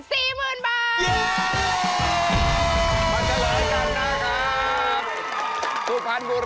เสาคำยันอาวุธิ